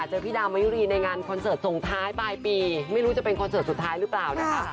เจอพี่ดาวมายุรีในงานคอนเสิร์ตส่งท้ายปลายปีไม่รู้จะเป็นคอนเสิร์ตสุดท้ายหรือเปล่านะคะ